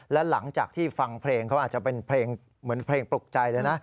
และหลังจากที่ฟังเพลงเขาอาจจะเป็นเพลงเหมือนเพลงปลุกใจเลยนะ